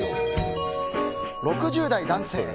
６０代男性。